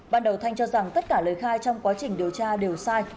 ban đầu thanh cho rằng tất cả lời khai trong quá trình điều tra đều sai